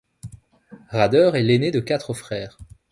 Rader est l'aîné de quatre frères.